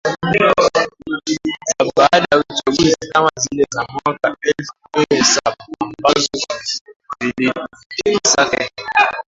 za baada ya uchaguzi kama zile za mwaka elfu mbili na saba ambazo ziliitikisa Kenya